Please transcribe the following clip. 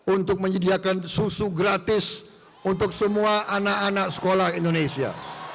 untuk menyediakan susu gratis untuk semua anak anak sekolah indonesia